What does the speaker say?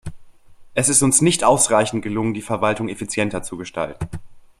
Es ist uns nicht ausreichend gelungen, die Verwaltung effizienter zu gestalten.